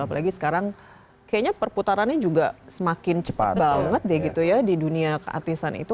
apalagi sekarang kayaknya perputarannya juga semakin cepat banget deh gitu ya di dunia keartisan itu